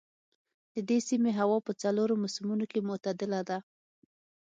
د دې سیمې هوا په څلورو موسمونو کې معتدله ده.